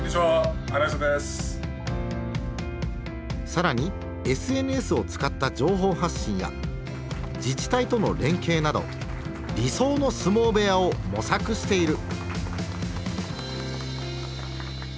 更にＳＮＳを使った情報発信や自治体との連携など理想の相撲部屋を模索している。